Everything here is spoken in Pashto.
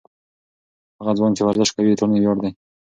هغه ځوان چې ورزش کوي، د ټولنې ویاړ دی.